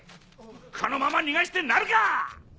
このまま逃してなるか！